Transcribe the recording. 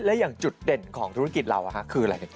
และอย่างจุดเด่นของธุรกิจเราคืออะไร